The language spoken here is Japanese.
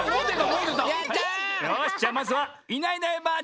よしじゃあまずは「いないいないばあっ！」